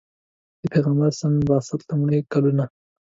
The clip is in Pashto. د پیغمبر د بعثت لومړي کلونه.